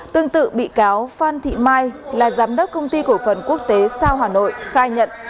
tương tự bị cáo phan thị mai là giám đốc công ty cổ phần quốc tế sao hà nội khai nhận